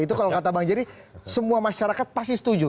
itu kalau kata bang jerry semua masyarakat pasti setuju